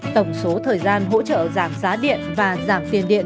tổng số thời gian hỗ trợ giảm giá điện và giảm tiền điện